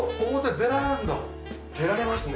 出られますね。